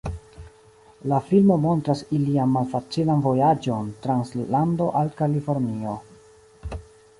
La filmo montras ilian malfacilan vojaĝon trans lando al Kalifornio.